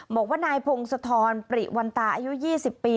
บอกว่านายพงศธรปริวันตาอายุ๒๐ปี